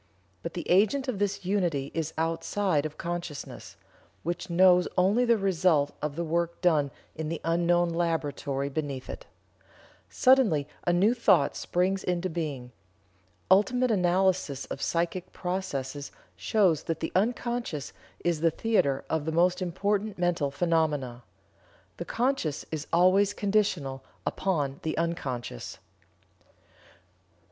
But the agent of this unity is outside of consciousness, which knows only the result of the work done in the unknown laboratory beneath it. Suddenly a new thought springs into being. Ultimate analysis of psychic processes shows that the unconscious is the theater of the most important mental phenomena. The conscious is always conditional upon the unconscious."